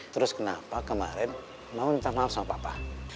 terus kenapa kemarin mau minta maaf sama papa